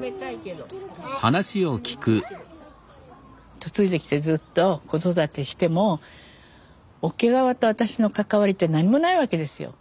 嫁いできてずっと子育てしても桶川と私の関わりって何もないわけですよ。